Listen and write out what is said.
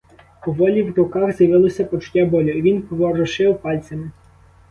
Поволі в руках з'явилося почуття болю, і він поворушив пальцями.